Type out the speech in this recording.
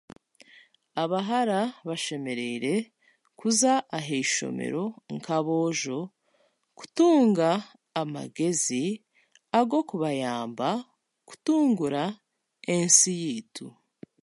Abahara bashemereire kuza aha ishomero nk'aboojo kutunga amagezi ag'okubayamba kutungura ensi yaitu.